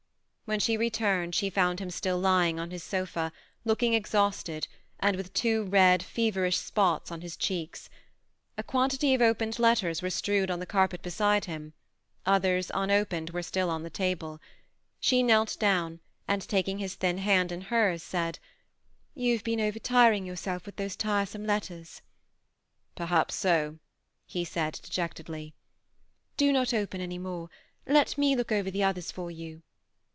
When she returned she found him still lying on his sofa, looking exhausted, and with two red, feverish spots on his cheeks. A quantity of opened letters were strewed on the carpet beside him; others, un opened, were still on the table. She knelt down, and taking his thin hand in hers, said, ''You have been overtiring yourself with those tiresome letters." THE SEMI ATTACHED COUPLE. 331 "Perhaps so/* he said, dejectedly. " Do not open any more ; let me look over the others for you."